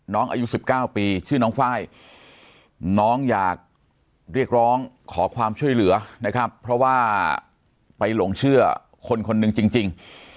น้องอายุ๑๙ปีชื่อน้องไฟล์น้องอยากเรียกร้องขอความช่วยเหลือนะครับเพราะว่าไปหลงเชื่อคนคนหนึ่งจริง